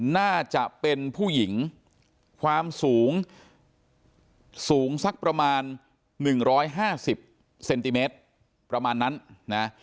น่าจะเป็นผู้หญิงความสูงสูงสักประมาณ๑๕๐เซนติเมตรประมาณนั้นนะ